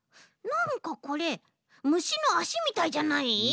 なんかこれむしのあしみたいじゃない？